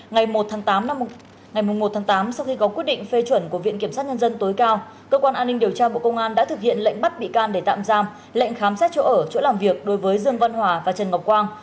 ngày một tháng tám ngày một tháng tám sau khi có quyết định phê chuẩn của viện kiểm sát nhân dân tối cao cơ quan an ninh điều tra bộ công an đã thực hiện lệnh bắt bị can để tạm giam lệnh khám xét chỗ ở chỗ làm việc đối với dương văn hòa và trần ngọc quang